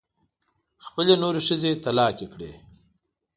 خپلې نورې ښځې طلاقې کړې.